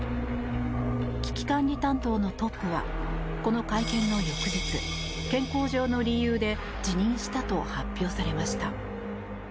危機管理担当のトップはこの会見の翌日健康上の理由で辞任したと発表されました。